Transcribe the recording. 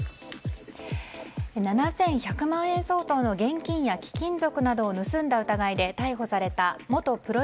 ７１００万円相当の現金や貴金属などを盗んだ疑いで逮捕された元プロ